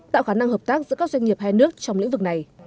tạo khả năng hợp tác giữa các doanh nghiệp hai nước trong lĩnh vực này